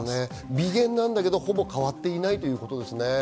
微減なんだけれどもほぼ変わっていないということですね。